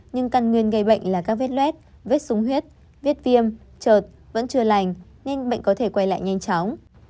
nhưng căn nguyên gây bệnh là các vết luet vết súng huyết viết viêm trượt vẫn chưa lành nên bệnh có thể quay lại nhanh chóng